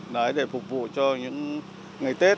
đấy để phục vụ cho những ngày tết